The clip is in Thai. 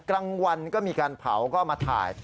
กลางวันก็มีการเผาก็มาถ่าย